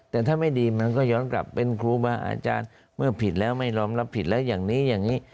แต่ถ้าไม่ดีมันก็ย้อนกลับเป็นครูมาอาจารย์เมื่อผิดแล้วไม่ยอมรับผิดแล้วอย่างนี้อย่างนี้